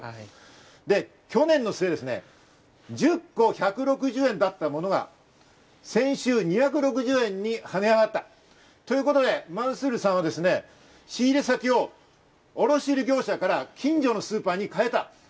で、去年の末、１０個１６０円だったものが、先週２６０円にはね上がったということで、マンスールさんは仕入れ先を卸売業者から近所のスーパーに変えた。